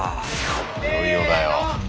いよいよだよ。